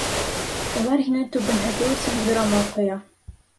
Улар һине түбәнһетеү өсөн юрамал ҡоя.